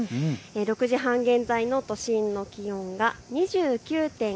６時半現在の都心の気温が２９．８度。